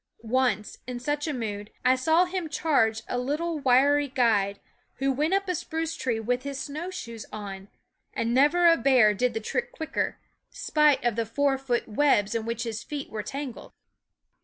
Once, in such a mood, I saw him charge a little wiry guide, who went up a spruce tree with his snowshoes on and never a bear did the trick quicker spite of the four foot webs in which his feet were tangled.